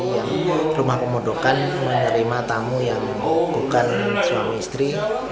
jadi rumah pemudokan menerima tamu yang bukan suami istri